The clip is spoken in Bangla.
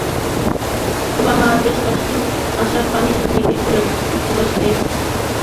ওবামা দেশবাসীকে আশার বাণী শুনিয়ে বলেছেন, যুক্তরাষ্ট্রে ইবোলার সংক্রমণের আশঙ্কা খুবই কম।